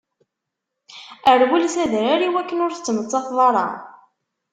Rwel s adrar iwakken ur tettmettateḍ ara.